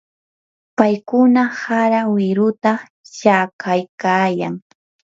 paykuna hara wiruta shakaykaayan.